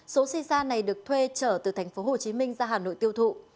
số si sa này được thuê trở từ tp hcm ra hà nội tiêu thụ